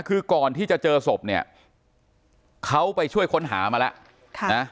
คือก่อนที่จะเจอศพเนี่ยเขาไปช่วยค้นหามาแล้วนะ